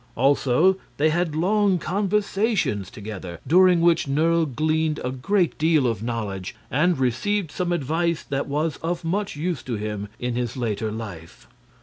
Also they had long conversations together, during which Nerle gleaned a great deal of knowledge and received some advice that was of much use to him in his later life.